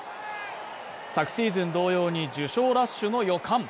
昨シーズン同様に受賞ラッシュの予感。